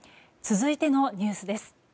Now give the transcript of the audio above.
続いてのニュースです。